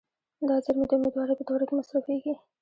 دا زیرمې د امیدوارۍ په دوره کې مصرفېږي.